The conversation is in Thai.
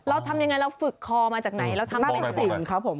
เราทำยังไงเราฝึกคอมาจากไหนเราทำเป็นสิ่งครับผม